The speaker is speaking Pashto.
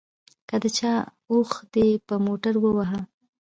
که د چا اوښ دې په موټر ووهه.